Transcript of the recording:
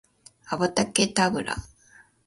アバタケタブラ